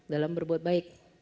dalam berbuat baik